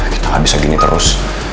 kita nggak bisa gini terus